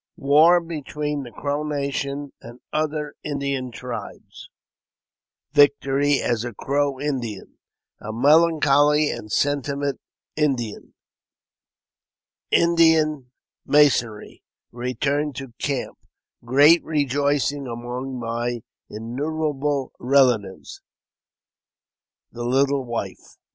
War between the Crow Nation and other Indian Tribes — My first Victory as a Crow Indian — A Melancholy and Sentimental Indian — Indian Masonry — Return to Camp— Great Rejoicing among my innumerable Relatives— The Little Wife.